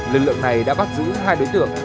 lực lượng này đã bắt giữ hai đối tượng